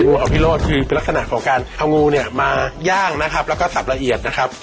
อภิโรธคือเป็นลักษณะของการเอางูเนี่ยมาย่างนะครับแล้วก็สับละเอียดนะครับ